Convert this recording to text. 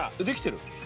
できてる！